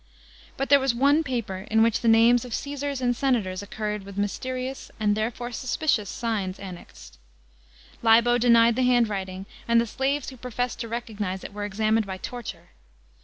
But there was one paper in which the THE PEINCIFATE OF TIBERIUS CHAP. ML names of Csesars and senators occurred with mysterious, and there fore suspicious, signs annexed. Liho denied the handwriting, and the slaves who professed to recognise it were examined by torture.